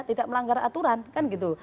tidak melanggar aturan kan gitu